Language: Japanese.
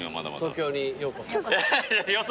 東京にようこそ。